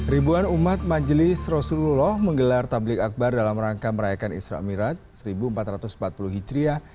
ribuan umat majelis rasulullah menggelar tablik akbar dalam rangka merayakan isramirat ⁇ seribu empat ratus empat puluh hijriah